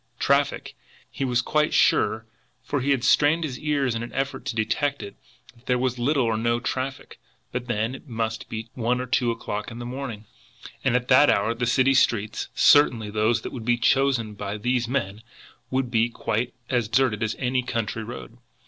Traffic? He was quite sure, for he had strained his ears in an effort to detect it, that there was little or no traffic; but then, it must be one or two o'clock in the morning, and at that hour the city streets, certainly those that would be chosen by these men, would be quite as deserted as any country road!